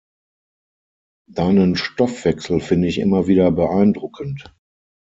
Deinen Stoffwechsel finde ich immer wieder beeindruckend.